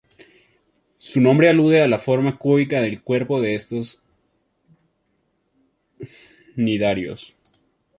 Su nombre alude a la forma cúbica del cuerpo de estos cnidarios.